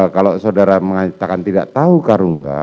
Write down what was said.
kalau saudara mengatakan tidak tahu karungga